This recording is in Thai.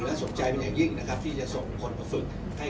และสนใจเป็นอย่างยิ่งนะครับที่จะส่งคนมาฝึกให้